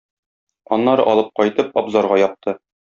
Аннары алып кайтып, абзарга япты.